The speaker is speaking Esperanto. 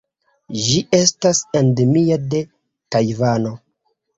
Ĝi estas endemia de Tajvano.